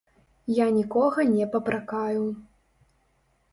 Я нікога не папракаю.